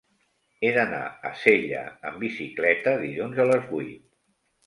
He d'anar a Sella amb bicicleta dilluns a les vuit.